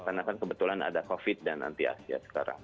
karena kan kebetulan ada covid dan anti asia sekarang